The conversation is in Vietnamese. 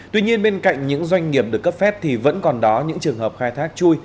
tuy nhiên bên cạnh những doanh nghiệp được cấp phép thì vẫn còn đó những trường hợp khai thác chui